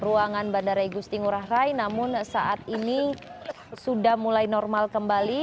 ruangan bandara igusti ngurah rai namun saat ini sudah mulai normal kembali